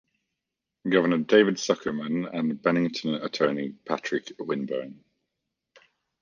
Governor David Zuckerman and Bennington attorney Patrick Winburn.